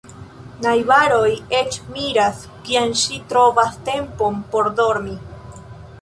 Najbaroj eĉ miras, kiam ŝi trovas tempon por dormi.